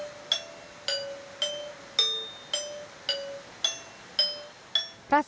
saya tidak bisa berpengalaman